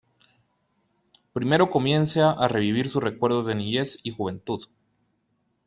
Primero comienza a revivir sus recuerdos de niñez y juventud.